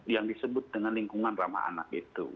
yang disebut dengan lingkungan ramah anak itu